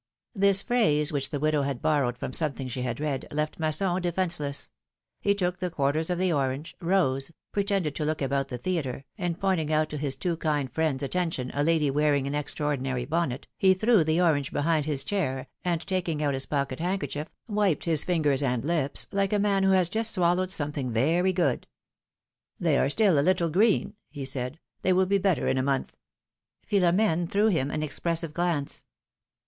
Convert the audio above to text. This phrase, which the widow had borrowed from some thing she had read, left Masson defenceless ; he took the quarters of the orange, rose, pretended to look about the theatre, and pointing out to his too kind friend's attention a lady wearing an extraordinary bonnet, he threw tlie orange behind his chair, and taking out his pocket hand kerchief, wiped his fingers and lips like a man who has just swallowed something very good. ^^They are still a little green," he said; ^^they will be better in a month." Philomene threw him an expressive glance.